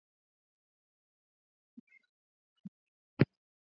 Faida ni muhimu katika biashara